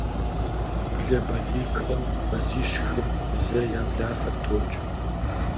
Блэ балигъхэм мазищ-хым зэ я блафэр токӏ.